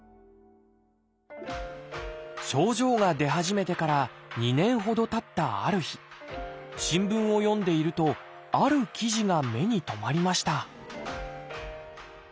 症状が出始めてから２年ほどたったある日新聞を読んでいるとある記事が目に留まりました